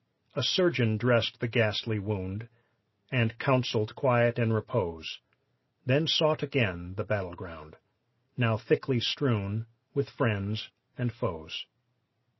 A surgeon dressed the ghastly wound And counseled quiet and repose, Then sought again the battleground, Now thickly strewn with friends and foes.